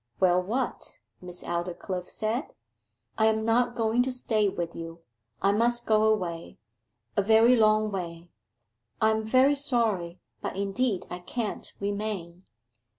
'Well, what?' Miss Aldclyffe said. 'I am not going to stay with you. I must go away a very long way. I am very sorry, but indeed I can't remain!